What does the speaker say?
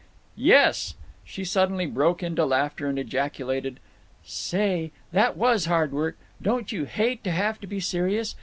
"Yes!" She suddenly broke into laughter, and ejaculated: "Say, that was hard work! Don't you hate to have to be serious?